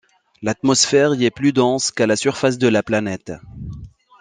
L'atmosphère y est plus dense qu'à la surface de la planète.